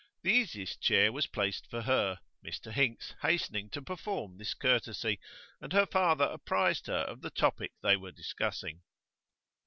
The easiest chair was placed for her, Mr Hinks hastening to perform this courtesy, and her father apprised her of the topic they were discussing.